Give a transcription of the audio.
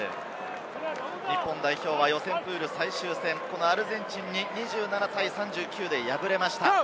日本代表は予選プール最終戦、このアルゼンチンに２７対３９で敗れました。